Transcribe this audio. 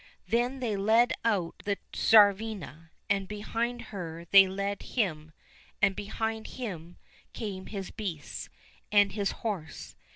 Then they led out the Tsarivna, and behind her they led him, and behind him came his beasts and his horse.